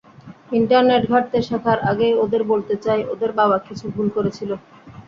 Internet ঘাঁটতে শেখার আগেই ওদের বলতে চাই, ওদের বাবা কিছু ভুল করেছিল।